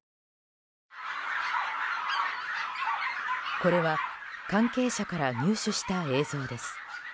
これは関係者から入手した映像です。